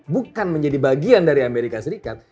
bukan menjadi bagian dari amerika serikat